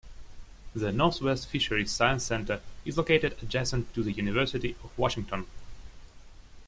The Northwest Fisheries Science Center is located adjacent to the University of Washington.